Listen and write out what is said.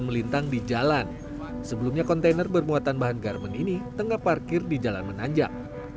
melintang di jalan sebelumnya kontainer bermuatan bahan garmen ini tengah parkir di jalan menanjak